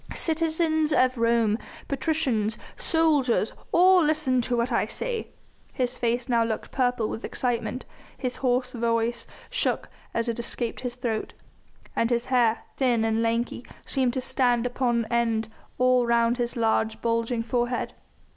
Citizens of Rome, patricians, soldiers, all listen to what I say." His face now looked purple with excitement, his hoarse voice shook as it escaped his throat, and his hair, thin and lanky, seemed to stand upon end all round his large, bulging forehead.